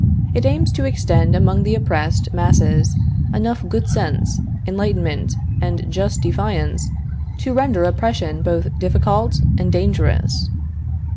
It aims to extend among the oppressed masses enough good sense, enlightenment and just defiance, to render oppression both difficult and dangerous.